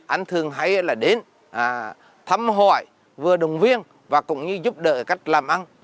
anh thường hay là đến thăm hỏi vừa đồng viên và cũng như giúp đỡ cách làm ăn